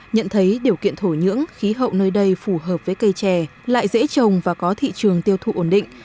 nhận thấy điều kiện thổ nhưỡng khí hậu nơi đây phù hợp với cây trè lại dễ trồng và có thị trường tiêu thụ ổn định